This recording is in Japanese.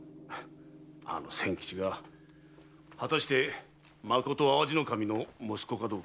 あの千吉が果たしてまこと淡路守の息子かどうか。